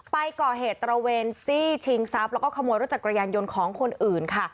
ไปก่อเหตุตระเวนจี้ชิงทรัพย์แล้วก็ขโมยรถจักรยานยนต์ของคนอื่นค่ะ